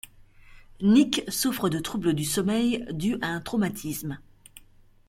Nick souffre de troubles du sommeil dus à un traumatisme.